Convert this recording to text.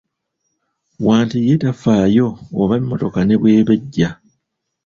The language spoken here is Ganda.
Wante ye tafaayo oba emmotoka ne bw'eba ejja.